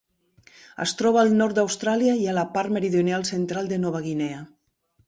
Es troba al nord d'Austràlia i a la part meridional central de Nova Guinea.